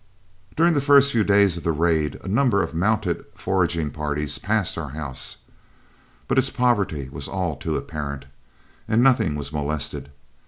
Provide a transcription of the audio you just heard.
During the first few days of the raid, a number of mounted foraging parties passed our house, but its poverty was all too apparent, and nothing was molested.